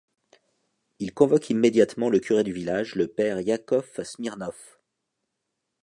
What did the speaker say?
Il convoque immédiatement le curé du village, le père Iakov Smirnov.